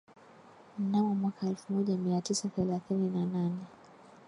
mnamo mwaka elfu moja mia tisa thelathini na nane